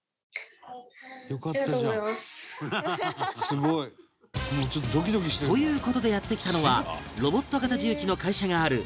「すごい」という事でやって来たのはロボット型重機の会社がある